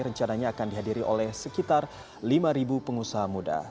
rencananya akan dihadiri oleh sekitar lima pengusaha muda